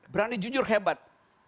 berani jujur hebat